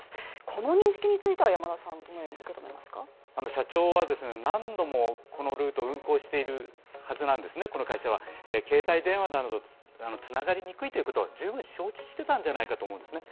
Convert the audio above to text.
この認識についてはどのように受け止めますか社長は何度もこのルートを運航しているはずなんですね、携帯電話など、つながりにくいということは十分承知していたんじゃないかと思うんですね。